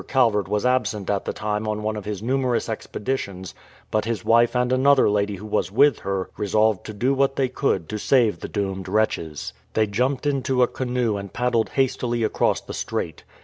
Calvert was absent at the time on one of his numerous expeditions, but his wife and another lady who was with her resolved to do what they could to save the doomed wretches. They jumped into a canoe and paddled hastily across the strait.